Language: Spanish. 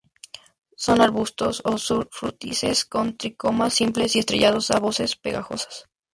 Son arbustos o sufrútices, con tricomas simples y estrellados, a veces pegajosos.